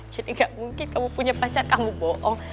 jadi gak mungkin kamu punya pacar kamu bohong